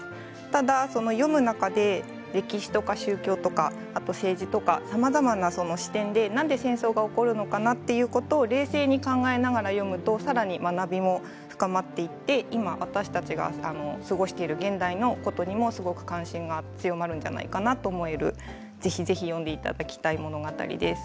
ただ読む中で歴史とか宗教とかあと政治とかさまざまな視点でなんで戦争が起きるのかなということを冷静に考えながら読むとさらに学びも深まっていって今私たちが過ごしている現代のことにもすごく関心が強まるんじゃないかなと思えるぜひぜひ読んでいただきたい物語です。